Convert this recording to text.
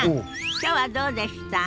きょうはどうでした？